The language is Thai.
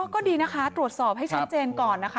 ก็ดีนะคะตรวจสอบให้ชัดเจนก่อนนะคะ